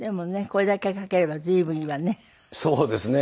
これだけ書ければ随分いいわね。